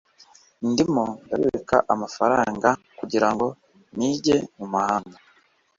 ndimo kubika amafaranga kugirango nige mu mahanga